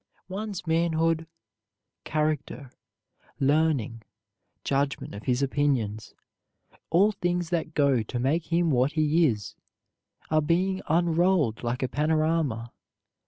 One's manhood, character, learning, judgment of his opinions all things that go to make him what he is are being unrolled like a panorama.